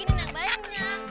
bikinin yang banyak